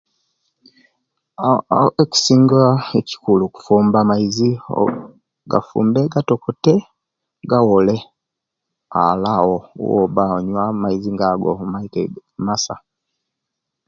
Aaah aaah ekisinga ekikulu kufumba maizi ogafumbe gatokote gawole ale awo obo'banga onywa amaizi nga ago oba omaite nti masa